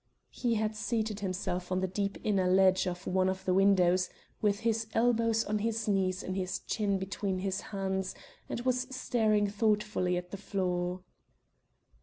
He had seated himself on the deep inner ledge of one of the windows, with his elbows on his knees and his chin between his hands, and was staring thoughtfully at the floor.